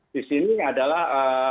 di sini adalah